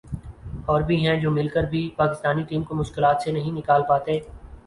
اور بھی ہیں جو مل کر بھی پاکستانی ٹیم کو مشکلات سے نہیں نکال پاتے ۔